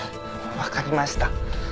わかりました。